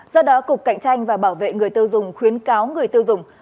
do đó cục cạnh tranh và bảo vệ người tiêu dùng khuyến cáo người tiêu dùng